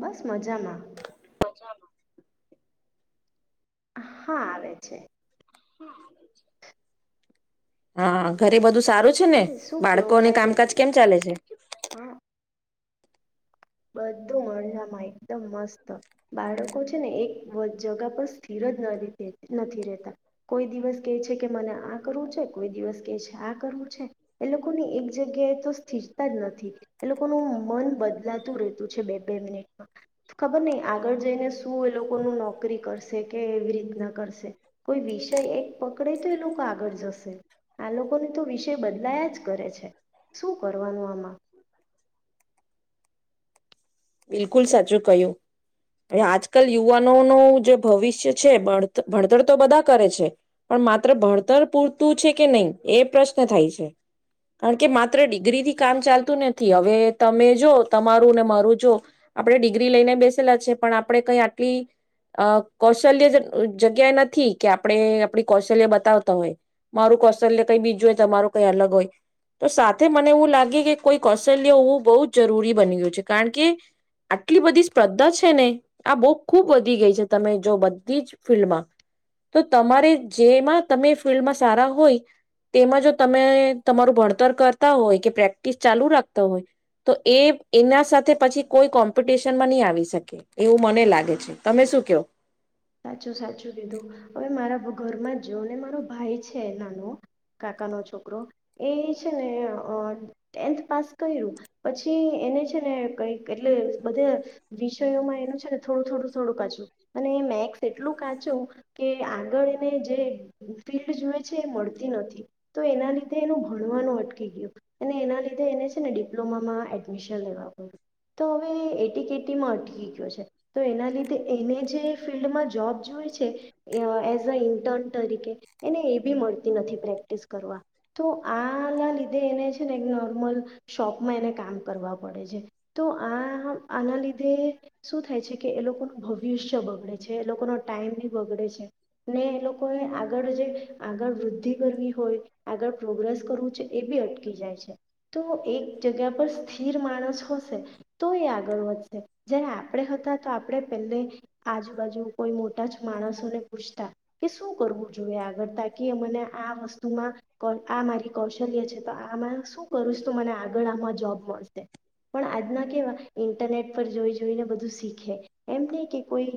બસ મજામાં. હા આવે છે. હા ઘરે બધું સારું છે ને એટલે શું કેવું બાળકોને કામકાજ મેં કેમ ચાલે છે. હા બધું મજામા એકદમ મસ્ત બાળકો છે ને એક જગા પર સ્થિર જ નથી રેતા કોઈ દિવસ કેય છે કે મને આ કરવું છે, કોઈ દિવસ કે છે આ કરવું છે એ લોકોની એક જગ્યાએ તો સ્થિરતા જ નથી એ લોકોનું મન બદલા છે બે બે મિનિટ ખબર નય આગળ જઈને શું એ લોકનું નોકરી કરશે કે એવી રીતના કરશે કોઈ વિષય એક પકડે તો એ લોકો આગળ જશે આ લોકોને તો વિષય બદલાયા જ કરે છે શું કરવાનું આમાં. બિલકુલ સાચું કહ્યું, એ આજકાલ યુવાનોનું જે ભવિષ્ય છે ભણ ભણતર તો બધા કરે છે પણ માત્ર ભણ તર પૂરતું છે કે નય એ પ્રશ્ન થાય છે કારણ કે માત્ર ડિગ્રીથી કામ ચાલતું નથી હવે તમે જો તમારું ને મારું જો આપણે ડિગ્રી લઈને બેસેલા છે પણ આપણે કઈ આટલી અ કૌશલ્ય જગ્યાએ નથી કે આપણે આપણી કૌશલ્ય બતાવ તમે મારું કૌશલ્ય કઈ બીજું હોય તમારું કઈ અલગ હોય તો સાથે મને એવું લાગે કે કોઈ કૌશલ્ય હોવું બહુ જરૂરી બની ગયું છે કારણ કે આટલી બધી સ્પર્ધા છે ને આ બહુ ખૂબ વધી ગઈ છે તમે જો બધી જ ફિલ્ડમાં તો તમારે જેમાં તમે ફિલ્ડમાં સારા હોય તેમાં જો તમે તમારું ભણતર કરતા હોય કે પ્રેક્ટિસ ચાલુ રાખતા હોય તો એ એના સાથે પછી કોઈ કોમ્પિટિશનમાં ની આવી શકે એવું મને લાગે છે. તમે શું કેવ? સાચું સાચું દીધું હવે મારા ઘરમાં જો ને મારો ભાઈ છે નાનો કાકાનો છોકરો એ છે ને અ ટેન્થ પાસ કર્યું પછી એને છે ને કઈક એટલે બધે વિષયોમાં એનું છે ને થોડું થોડું થોડું કાચું, અને [unintelligible] એટલું કાચું કે આગળ એને જે ફિલ્ડ જોએ છે એ મળતી નથી તો એના લીધે એનું ભણવાનું અટકી ગયું અને એના લીધે એને છે ને ડિપ્લોમામાં એડમિશન લેવા પડયું તો હવે એટી કેટીમાં અટકી ગયો છે તો એના લીધે એને જે ફિલ્ડમાં જોબ જોઈ છે એઝ અ ઇન્ટર્ન તરીકે એને એ બી મળતી નથી પ્રેક્ટિસ કરવા તો આના લીધે એને છે ને નોર્મલ શોપમાં એને કામ કરવા પડે છે તો આ આના લીધે શું થાય છે કે એ લોકોનું ભવિષ્ય બગડે છે. એ લોકોનો ટાઈમ બી બગડે છે. ને એ લોકોએ આગળ જે આગળ વૃદ્ધિ કરવી હોય આગળ પ્રોગ્રેસ કરવું છે એ બી અટકી જાય છે તો એક જગ્યા પર સ્થિર માણસ હશે તો એ આગળ વધશે જ્યારે આપણે હતા તો આપણે પહેલે આજુ કોઈ મોટા જ માણસો ને પૂછતા કે શું કરવું જોઈએ આગળ તાકી મને આ વસ્તુમાં આ મારી કૌશલ્ય છે તો આ શું કરું તો મને આગળ આમાં જોબ મળશે. પણ આજના કેવા ઇન્ટરનેટ પર જોઈ જોઈને, બધું શીખે એમ નહી કે કોઈ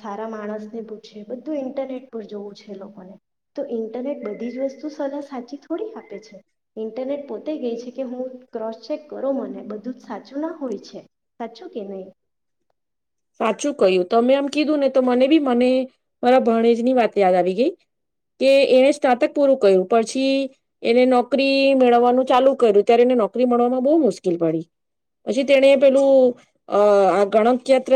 સારા માણસ ને પૂછે. બધું ઇન્ટરનેટ પર જોવું છે લોકોને તો ઇન્ટરનેટ બધી જ વસ્તુ સલાહ સાચી થોડી આપે છે ઇન્ટરનેટ પોતે ગઈ છે કે હું ક્રોસચેક કરો મને બધું જ સાચું ના હોય છે સાચું કે નય? [inaudible] સાચું કહ્યું તમે આમ કીધું ને તો, મને બી મને મારા ભણેજની વાત યાદ આવી ગઈ કે એને સ્નાતક પૂરું કર્યું પછી એને નોકરી મેળવવાનું ચાલુ કર્યું ત્યારે એને નોકરી મળવામાં બહુ મુશ્કેલ પડી પછી તેને પેલું આ ગણતયત્ર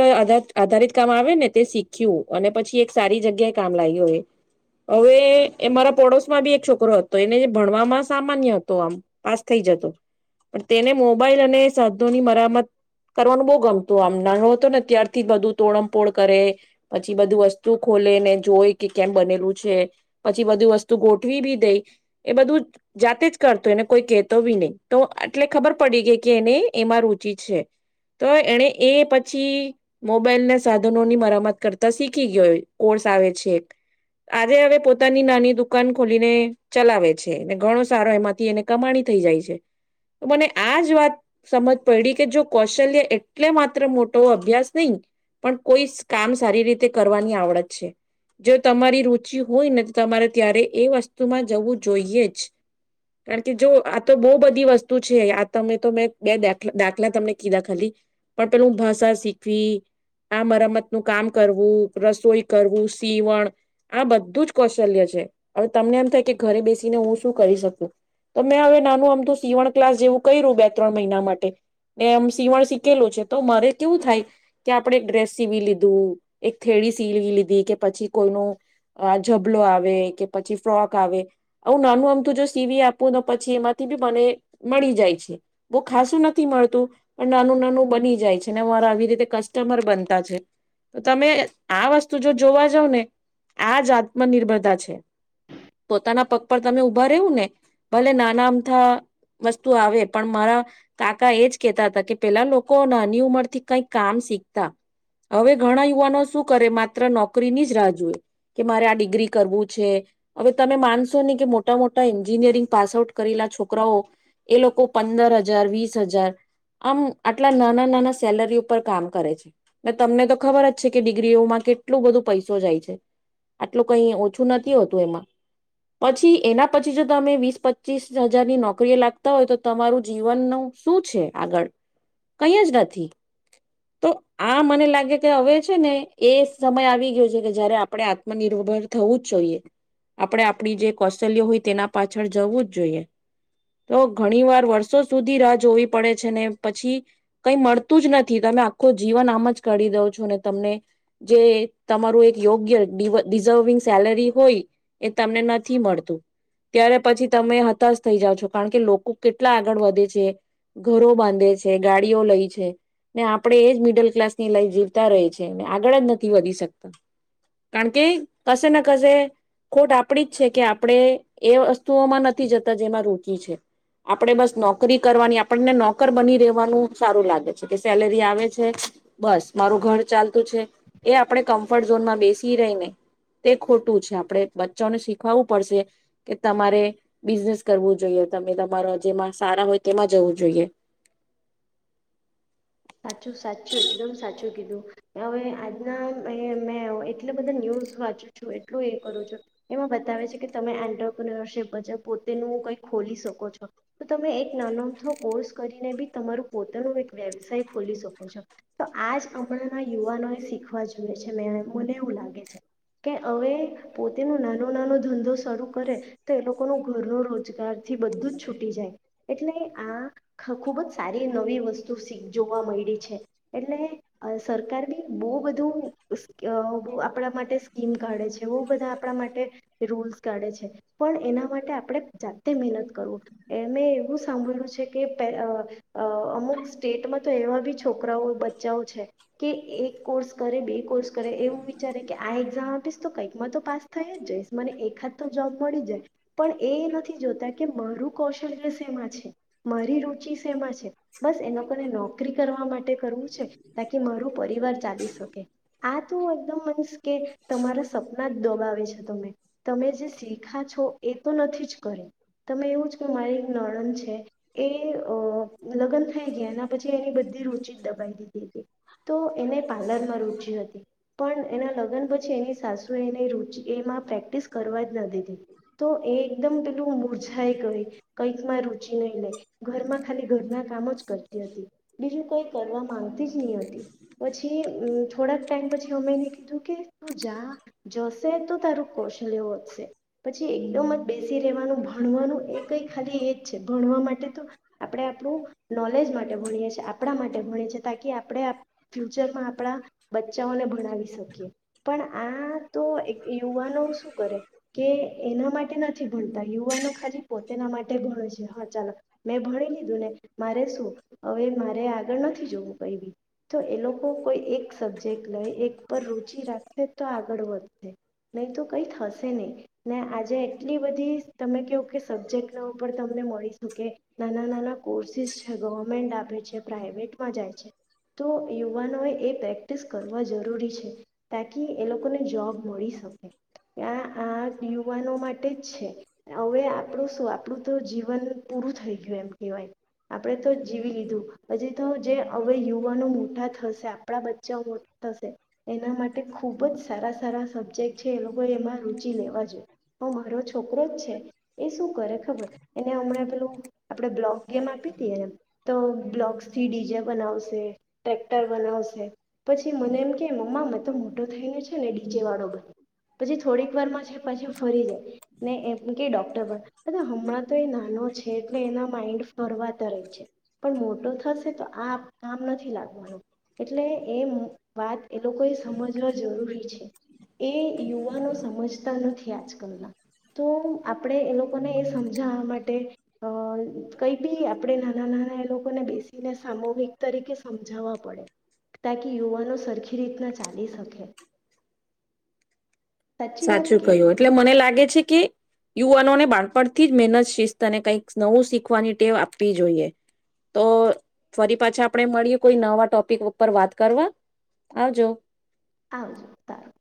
આધારિત કામ આવે ને તે શીખ્યું અને પછી સારી જગ્યાએ કામ લાગ્યું હોય હવે એ મારા પોડોશમાં બી એક છોકરો હતો એને ભણવામાં સામાન્ય હતો આમ પાસ થઈ જતો પણ તેને મોબાઈલ અને સાધોની મરામત કરવાનું બો ગમતું આમ નાનો હતો ને ત્યારથી બધું તોડમપોડ કરે પછી બધું વસ ખોલેને જોઈ કે કેમ બનેલું છે પછી બધી વસ્તુ ગોઠવી બી દઈ એ બધું જાતે જ કરતો એને કોઈ કેહેતો બી નહી તો એટલે ખબર પડી ગઈ કે એને એમાં રુચિ છે તો એને એ પછી મોબાઈલ ના સાધનો ની મરામત કરતા શીખી ગયો. કો આવે છે આજે હવે પોતાની નાની દુકાન ખોલીને ચલાવે છે ઘણો સારો એમાંથી એને કમાણી થઈ જાય છે મને આજ વાત સમજ પડી કે જો કૌશલ્ય એટલે માત્ર મોટો અભ્યાસ નહી પણ કોઈ કામ સારી રીતે કરવાની આવડ જો તમારી રુચિ હોય ને તમારે ત્યારે એ વસ્તુમાં જવું જોઈએ જ કારણ કે જો આ તો બો બધી વસ્તુ છે આ તમે તો મેં બે દા દાખલા તમને કીધા ખાલી પણ પેલું ભાષા શીખવી આ મરમત નું કામ કરવું, રસોઈ કરવું સીવણ આ બધું જ કૌશલ્ય છે હવે તમને એમ થાય કે ઘરે બેસીને હું શું કરી શકું તો મેં હવે નાનું આમ તો સીવણ ક્લાસ જેવું કર્યું બે ત્રણ મહિના માટે ને આમ સીવણ સીખેલું છે તો મારે કેવું થાય કે આપણે એક ડ્રેસ સીવી લીધું એક થેડી સીવી લીધું કે પછી કોઈ ન ઝબલો આવે કે પછી ફ્રોક આવે આવું નાનું આમ તો જો સીવી આપુંને પછી એમાંથી બી મને મળી જાય છે બો ખાસું નથી મળતું પણ નાનું નાનું બની જાય છે ને મારા આવી રીતે કસ્ટમર બનતા છે તો તમે આ વસ જો જોવા જવ ને આજ આત્મનિર્ભરતા છે પોતાના પગ પર તમે ઉભા રહેવું ને ભલે નાના અમથા વસ્તુ આવે પણ મારા કાકા એજ કેહેતા હતા કે પેલા લોકો નાની ઉંમર થી કઈક કામ શીખતા હવે ઘણા યુવાનો શું કરે મા નોકરીની જ રાહ જોય કે મારે આ ડિગ્રી કરવું છે હવે તમે માનશો નને કે મોટા મોટા એન્જિનિયરિંગ પાસ આઉટ કરેલા છોકરાઓ એ લોકો પંદર હજાર વીસ હજાર આમ આટલા નાના નાના સેલરી ઉપર કામ કરે છે તમને તો ખબર જ છે કે ડિગ્રીઓમાં કે આટલું બધું પૈસો જાય છે આટલું કઈ ઓછું નથી હોતું એમાં પછી એના પછી જો તમે વીસ પચીસ હજારની નોકરી એ લાગતા હોય તો તમારું જીવનનું શું છે આગળ કઈ જ નથી તો આ મને લાગે કે હવે છે ને એ સમય આવી ગયો છે કે જયારે આપણે આત્મનિર્ભર થવું જ જોઈએ આપણે આપણી જે કૌશલ્ય હોય તેના પાછળ જવું જ જોઈએ તો ઘણી વાર વર્ષો સુધી રાહ જોવી પડે છે ને પછી કઈ મળતું જ, નથી. તમે આખું જીવન આમા જ કાઢી દવ છો ને તમને જે તમારું એક યોગ્ય ડિઝર્વિંગ સેલરી હોય એ તમને નથી મળતું ત્યારે પછી તમે હતાશ થઈ જાાવ છો કારણ કે લોકો કેટલા આગળ વધે છે ઘરો બાંધે છે. ગાડીઓ લઈ છે ને, આપડે એજ મિડલ ક્લાસ લાઈફ જીવતા રય છે આગળ જ નથી વધી શકતા કારણ કે કશે ને કશે ખોટ આપડી જ છે કે આપણે એ વસ્તુઓમાં નથી જતા જેમાં રુચિ છે આપણેે બસ નોકરી કરવાની આપણને નોકર બની રહેવાનું સારું લાગે છે કે સેલરી આવે છે બસ મારું ઘર ચાલતું છે. એ આપણે કમ્ફર્ટ ઝોનમાં બેસી રહી ને તે ખોટું છે આપણે બચ્ચાને શીખવાવું પડશે કે તમારે બિઝનેસ કરવું જોઈએ તમે તમારા જેમાં સારા હોય તેમાં જવું. જોઈએ. સાચું સાચું એકદમ સાચું કીધું. હવે આજના મેં મેં એટલા બધા ન્યુઝ વાંચું છું એટલું એ કરું છું એમાં બતાવે છે કે તમે એન્ટર [unintelligible] પોતેનું કઈ ખોલી શકો છો તો તમે એક નાનો અમથો કોર્સ કરીને બી તમારું પોતાનું એક વેલ ખોલી શકો છો તો આજ હમણાંના યુવાનો એ શીખવા જોએ છે મે મને એવું લાગે છે કે હવે પોતેનું નાનો નાનો ધંધો શરૂ કરે તો એ લોકોનું ઘરનો રોજગાર થી બધું જ છૂટી જાય એટલે આ ખુબ જ સારી નવી વસ્તુ શીખ જોવા મળી છે, એટલે સરકાર બી બહુ બધું બ આપણા માટે સ્કીમ કાઢે છે. બહુ બધા આપણા માટે રૂલ્સ કાઢે છે પણ, એના માટે આપણે જાતે મહેનત કરવું મેં એવું સાંભળ્યું છે કે પે અમુક સ્ટેટમાં તો એવા બી છોકરાઓ બચ્ચાઓ છે કે એક કોર્સ કરે બે કોર્સ કરે એવું વિચારે કે આ એક્ઝામ આપીશ તો કંઈકમાં તો પાસ થઈ જ જઈશ મને એકાદ તો જોબ મળી જાય પણ એ નથી જોતા કે મારું કૌશલ્ય સેમાં છે મારી રુચિ સેમાં છે બસ એ લોકોને નોક નોકરી કરવા માટે કરવું છે તકી મારું પરિવાર ચાલી શકે આ તો એકદમ મનસ કે તમારા સપના જ દબાવે છે તમે તમે જે શીખા છો એ તો નથી જ કરે તમે એવું જ કે મારી એક નણંદ છે એ લગ્ન થઈ ગયા એના પછી એની બધી રુચિ જ દબાઈ દીધી હતી તો એને પાર્લર માં રુચિ હતી પણ એના લગ્ન પછી એની સાસુ એ એને રુચિ એમાં પ્રેક્ટિસ કરવા જ ના દીધી તો એ એકદમ પેલું મુરઝાઇ કહી કંઈકમાં રુચિ નહી લે ઘરમાં ખાલી ઘરના કામ જ કરતી હતી બીજું કઈ કરવા માંગતી જ નહી હતી પછી મ થોડાક ટાઈમ પછી અમેને કીધું કે તું જા જશે તો તારું કૌશલ્ય વધશે પછી એકદમ જ બેસી રહેેવાનું ભણવાનું એ કઈ ખાલી એ જ છે ભણવા માટે તો આપણે આપણું નોલેજ માટે ભણીએ છીએ. આપણા માટે ભણે છે તાકી આપણે ફ્યુચરમાં આપણા બચ્ચાઓને ભણાવી શકીએ પણ આ તો યુવાનો શું કરે કે એના માટે નથી ભણતા યુવાનો ખાલી પોતેના માટે ભણે છે હા ચાલો મેં ભણી લીધું ને મારે શું હવે મારે આગળ નથી જોવું કઈ બી તો એ લોકો કોઈ, એક સબ્જેક્ટ લે એક પર રુચિ રાખશે તો આગળ વધશે નહી તો કંઈ થશે નહીં ને આજે એટલી બધી તમે કયો કે સબ્જેક્ટના ઉપર તમને મળી શકે નાના નાના કોર્સિસ છે ગવર્મેન્ટ આપે છે પ્રાઈવેટમાં જાય છે તો યુવાનો એ પ્રેક્ટિસ કરવા જરૂરી છે. તાકી એ લોકોને જોબ મળી શકે આ આ યુવાનો માટે જ છે હવે આપણું શું આપણું તો જીવન પૂરું થઈ ગયું એમ કહેવાય આપણે તો જ જીવી લીધું તો જે હવે યુવાનો મોટા થશે આપણા બચ્ચાઓ મોટા થશે એના માટે ખૂબ જ સારા સારા સબ્જેક્ટ છે એ લોકોએ એમાં રૂચિ લેવા જોઈએ ઓ મારો છોકરો જ છે એ શું કરે ખબર એને હમણાં પેલું આપણે બ્લોક ગેમ આપી હતીએ ને તો બ્લોક્સથી ડીજે બનાવશે ટ્રેક્ટર બનાવશે પછી મને એમ કે મમ્મા મેં તો મોટો થઈને છે ને ડીજેવાળો બને પછી થોડીક વારમાં છે પાછી ફરી જાય ને એમ કે ડૉક્ટર બના હમણાં તો એ નાનો છે એટલે એના માઇન્ડ ફરવા તરફ જાય પણ મો થશે તો આ કામ નથી લાગવાનું એટલે એ વાત એ લોકો એ સમજવા જરૂરી છે. એ યુવાનો સમજ જતા નથી આજકાલના તો આપણે એ લોકોને એ સમજાવવા માટે હ કઈ બી આપડે નાના નાના એ લો બેસીને સામૂહિક તરીકે સમજાવવા પડે તકી યુવાનો સરખી રીતના ચાલી શકે. સાચી વાત સાચું કે ક્યું એટલે મને લાગે છે કે યુવાનોને બાળપણથી જ મહેનત શિસ્તને કઈક નવું શીખવાની ટેવ આપવી જોઈએ તો ફરી પાછા આપણે મળીએ કોઈ નવા ટોપિક ઉપર વાત કરવા આવજો. આવજો સારું.